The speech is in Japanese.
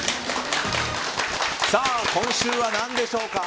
今週は何でしょうか？